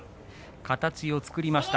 形を作りました。